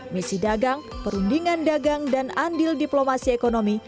misi dagang perundingan dagang dan andil diplomasi ekonomi